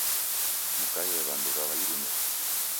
Mkaie w'andu w'a irumirio